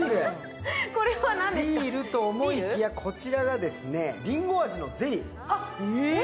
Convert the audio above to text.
ビールと思いきや、こちらがりんご味のゼリー。